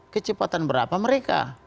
kecepatan berapa mereka